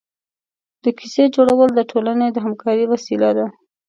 د کیسې جوړول د ټولنې د همکارۍ وسیله ده.